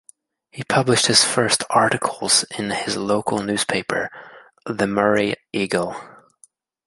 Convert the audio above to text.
He published his first articles in his local newspaper, "The Murray Eagle".